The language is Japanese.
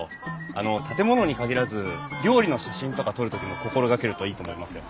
あの建物に限らず料理の写真とか撮る時も心がけるといいと思いますよ。